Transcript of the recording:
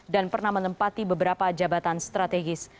dan pernah menempati beberapa jabatan strategis